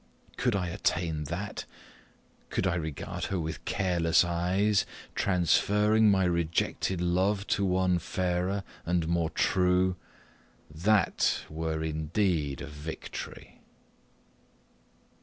Could I attain that could I regard her with careless eyes, transferring my rejected love to one fairer and more true, that were indeed a victory!